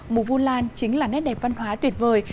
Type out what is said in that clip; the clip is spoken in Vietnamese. mùa vu lan chính là nét đẹp văn hóa tuyệt vời